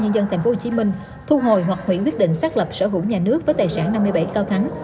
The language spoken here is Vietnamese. nhân dân tp hcm thu hồi hoặc huyện quyết định xác lập sở hữu nhà nước với tài sản năm mươi bảy cao thắng